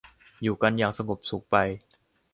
อยู่กันอย่างสงบสุขไป